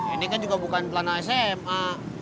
ini kan juga bukan belana sma